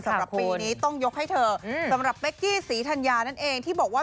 สำหรับปีนี้ต้องยกให้เธอสำหรับเป๊กกี้ศรีธัญญานั่นเองที่บอกว่า